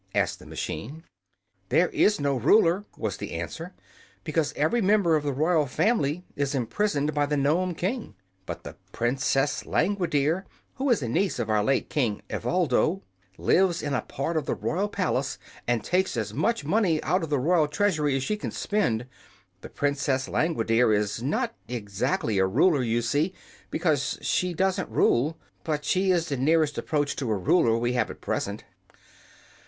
asked the machine. "There is no ruler," was the answer, "because every member of the royal family is imprisoned by the Nome King. But the Princess Langwidere, who is a niece of our late King Evoldo, lives in a part of the royal palace and takes as much money out of the royal treasury as she can spend. The Princess Langwidere is not exactly a ruler, you see, because she doesn't rule; but she is the nearest approach to a ruler we have at present."